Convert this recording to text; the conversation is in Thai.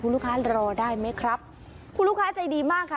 ลูกค้ารอได้ไหมครับคุณลูกค้าใจดีมากค่ะ